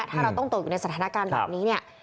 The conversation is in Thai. ถ้าเราต้องตกอยู่ในสถานการณ์แบบนี้เนี่ย